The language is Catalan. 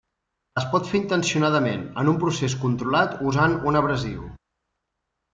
Es pot fer intencionadament en un procés controlat usant un abrasiu.